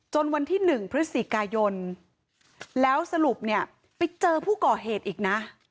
วันที่๑พฤศจิกายนแล้วสรุปเนี่ยไปเจอผู้ก่อเหตุอีกนะ